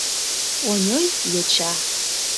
Оньой — йоча.